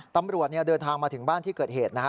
ตำรวจเดินทางมาถึงบ้านที่เกิดเหตุนะฮะ